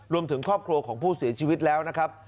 รวมถึงครอบครัวของผู้เสียชีวิตแล้วนะครับ